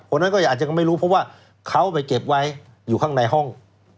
นั้นก็อาจจะไม่รู้เพราะว่าเขาไปเก็บไว้อยู่ข้างในห้อง